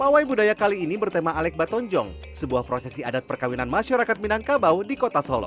pak hai budaya kali ini bertema alik batonjong sebuah prosesi adat perkawinan masyarakat minangkabau di kota solok